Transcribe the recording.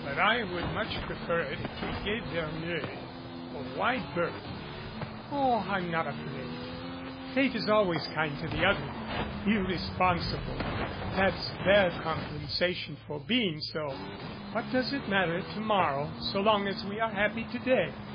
But I would much prefer it if we gave Verneuil a wide berth." "Oh, I'm not afraid. Fate is always kind to the ut terly irresponsible. That's their compensation for being so. What does it matter to morrow so long as we are happy to day?"